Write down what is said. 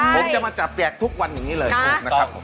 ผมจะมาจับแจกทุกวันอย่างนี้เลยนะครับผม